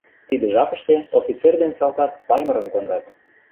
Тиде жапыште офицер ден салтак Паймырым кондат.